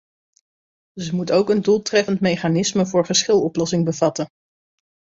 Ze moet ook een doeltreffend mechanisme voor geschiloplossing bevatten.